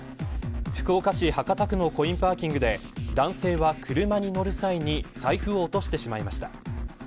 福岡市博多区のコインパーキングで男性は車に乗る際に財布を落としてしまいました。